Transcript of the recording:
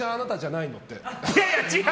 いやいや違う！